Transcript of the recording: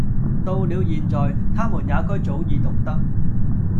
到了現在，他們也該早已懂得，……